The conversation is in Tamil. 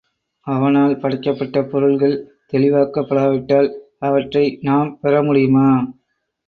அவனால் படைக்கப்பட்ட பொருள்கள் தெளிவாக்கப்படாவிட்டால், அவற்றை நாம் பெறமுடியுமா?